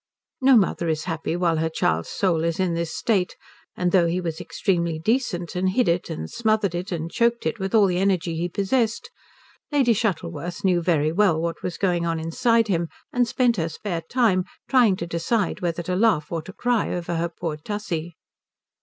No mother is happy while her child's soul is in this state, and though he was extremely decent, and hid it and smothered it and choked it with all the energy he possessed, Lady Shuttleworth knew very well what was going on inside him and spent her spare time trying to decide whether to laugh or to cry over her poor Tussie.